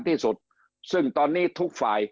ที่สุดซึ่งตอนนี้ทุกฝ่าย